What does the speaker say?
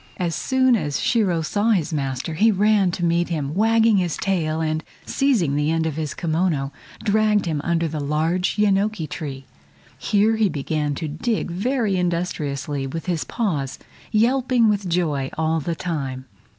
As soon as Shiro saw his master he ran to meet him, wagging his tail, and, seizing the end of his kimono, dragged him under a large yenoki tree. Here he began to dig very industriously with his paws, yelping with joy all the time.